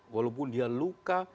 walaupun dia luka